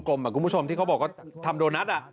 คุณผู้ชมที่เขาบอกว่าทำโดนัท